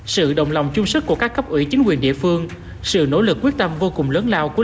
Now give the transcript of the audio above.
sự đồng lòng chung sức của các cấp ủy chính quyền địa phương sự nỗ lực quyết tâm vô cùng lớn lao của